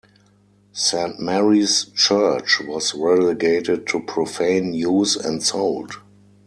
Saint Mary's church was relegated to profane use and sold.